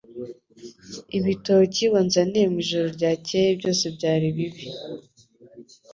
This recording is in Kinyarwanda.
Ibitoki wanzaniye mwijoro ryakeye byose byari bibi